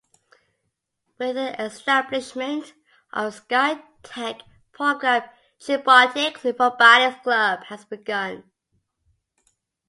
With the establishment of the Sci-Tech program Chingbotics, a robotics club has begun.